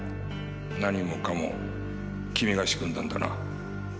何もかも君が仕組んだんだな？